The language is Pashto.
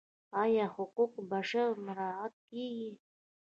آیا حقوق بشر مراعات کیږي؟